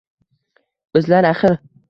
Bizlar axir